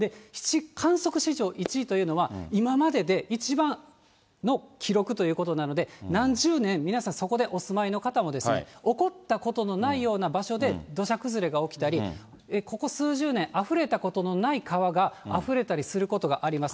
観測史上１位というのは、今までで一番の記録ということなので、何十年、皆さんそこでお住まいの方も、起こったことのないような場所で、土砂崩れが起きたり、ここ数十年、あふれたことのない川があふれたりすることがあります。